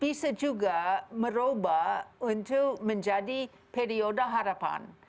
bisa juga merubah untuk menjadi periode harapan